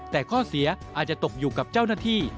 แต่ข้อเสียอาจจะตกอยู่กับเจ้าหน้าที่